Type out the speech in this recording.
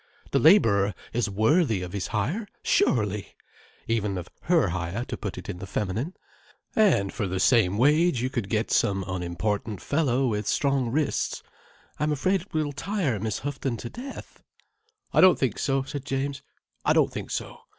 The labourer is worthy of his hire. Surely! Even of her hire, to put it in the feminine. And for the same wage you could get some unimportant fellow with strong wrists. I'm afraid it will tire Miss Houghton to death—" "I don't think so," said James. "I don't think so.